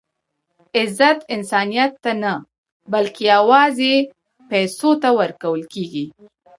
عزت انسانیت ته نه؛ بلکي یوازي پېسو ته ورکول کېږي.